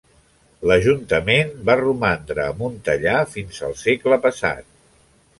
L'ajuntament va romandre a Montellà fins al segle passat.